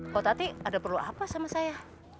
kok tati ada perlu apa sama saya